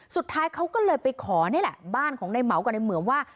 สุดท้ายเขาก็เลยไปขอนี่แหละบ้านของในเหมากับในเหมืองว่า